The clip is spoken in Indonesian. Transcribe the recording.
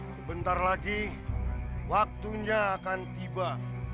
sebentar lagi waktunya akan tiba